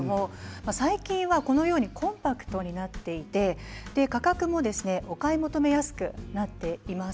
最近は、このようにコンパクトになっていて価格もお買い求めやすくなっています。